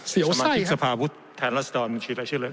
สมาธิกษภาพุทธแถนลัสดอลชื่ออะไรชื่อเลย